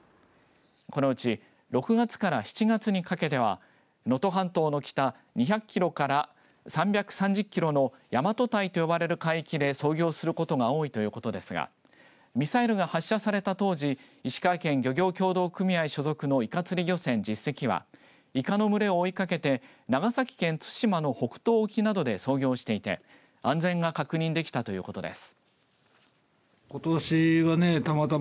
このうち６月から７月にかけては能登半島の北２００キロから３３０キロの大和堆と呼ばれる海域で操業することが多いということですがミサイルが発射された当時石川県漁業協同組合所属のいか釣り漁船１０隻はいかの群れを追いかけて長崎県対馬の北東沖などで操業していて、安全が確認できたということです。